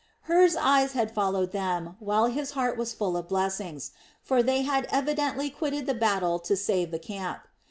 Hur's eyes had followed them, while his heart was full of blessings; for they had evidently quitted the battle to save the camp.